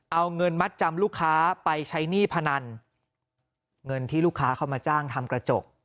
เอาเงินมัดจำลูกค้าไปใช้หนี้พนันเงินที่ลูกค้าเข้ามาจ้างทำกระจก